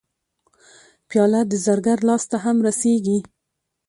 پیاله د زرګر لاس ته هم رسېږي.